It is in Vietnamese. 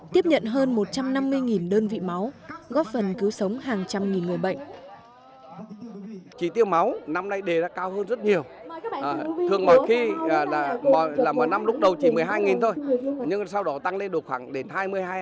tiếp nhận hơn một trăm năm mươi đơn vị máu góp phần cứu sống hàng trăm nghìn người bệnh